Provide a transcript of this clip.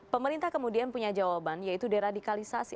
pemerintah kemudian punya jawaban yaitu deradikalisasi